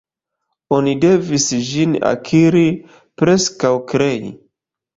Oni devis ĝin akiri, preskaŭ krei.